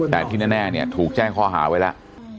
แต่ที่แน่เนี่ยถูกแจ้งข้อหาไว้แล้ว